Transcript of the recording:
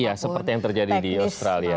iya seperti yang terjadi di australia